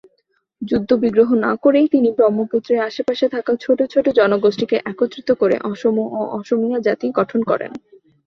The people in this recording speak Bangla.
যুদ্ধ-বিগ্রহ না করেই তিনি ব্রহ্মপুত্রের আশে-পাশে থাকা ছোট ছোট জনগোষ্ঠীকে একত্রিত করে অসম ও অসমীয়া জাতি গঠন করেন।